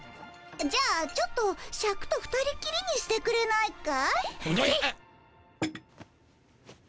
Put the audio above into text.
じゃあちょっとシャクと二人きりにしてくれないかい？